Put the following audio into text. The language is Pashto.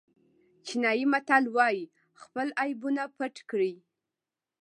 چینایي متل وایي خپل عیبونه پټ کړئ.